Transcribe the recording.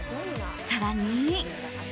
更に。